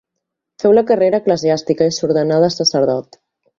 Féu la carrera eclesiàstica i s'ordenà de sacerdot.